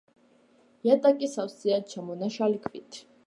იატაკი სავსეა ჩამონაშალი ქვით.